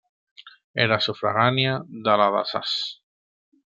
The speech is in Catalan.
Era sufragània de la de Sas.